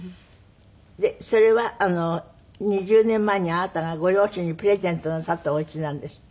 それは２０年前にあなたがご両親にプレゼントなさったお家なんですって？